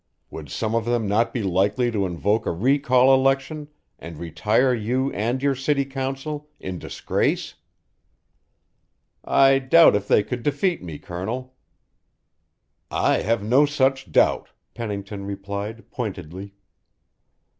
Would some of them not be likely to invoke a recall election and retire you and your city council in disgrace?" "I doubt if they could defeat me, Colonel." "I have no such doubt," Pennington replied pointedly.